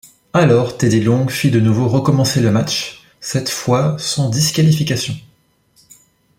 Alors Teddy Long fit de nouveau recommencé le match, cette fois sans disqualification.